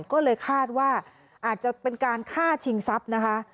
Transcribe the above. ก็เลยคาดว่าอาจจะเป็นการฆ่าชิงทรัพย์นะคะ